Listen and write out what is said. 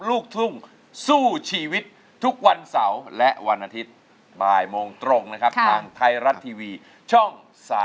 ลูกทุ่งสู้ชีวิตทุกวันเสาร์และวันอาทิตย์บ่ายโมงตรงนะครับทางไทยรัฐทีวีช่อง๓๒